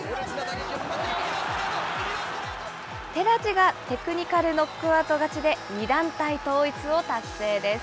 寺地がテクニカルノックアウト勝ちで、２団体統一を達成です。